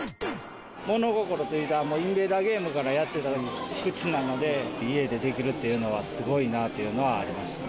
物心ついた、もうインベーダーゲームからやってた口なので、家でできるっていうのはすごいなというのはありましたね。